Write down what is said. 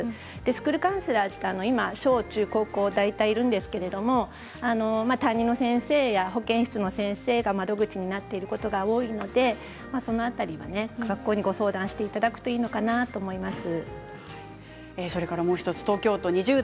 スクールカウンセラーは小、中、高と大体いますが担任の先生や保健室の先生が窓口になっていることが多いのでその辺り学校にご相談していただくといいのかなと思います。